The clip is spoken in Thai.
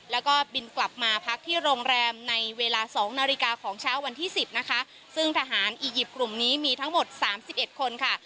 แล้วก็บินกลับมาพักที่โรงแรมในเวลาสองนาฬิกาของเช้าวันที่สิบนะคะซึ่งทหารอียิปต์กลุ่มนี้มีทั้งหมดสามสิบเอ็ดคนค่ะ